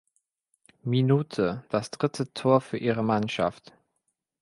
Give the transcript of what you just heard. Minute das dritte Tor für ihre Mannschaft.